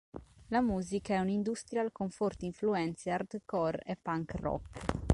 La musica è un industrial con forti influenze hardcore e punk rock.